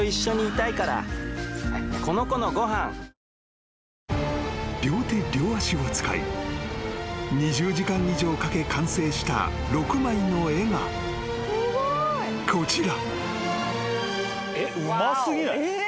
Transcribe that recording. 他のもよろしく［両手両足を使い２０時間以上かけ完成した６枚の絵がこちら］